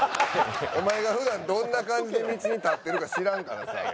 お前が普段どんな感じで道に立ってるか知らんからさ。